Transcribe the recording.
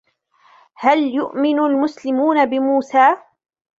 هل يؤمن المسلمون بموسى؟